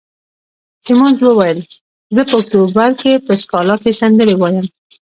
سیمونز وویل: زه په اکتوبر کې په سکالا کې سندرې وایم.